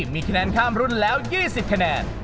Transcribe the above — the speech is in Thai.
มีคะแนนข้ามรุ่นแล้ว๒๐คะแนน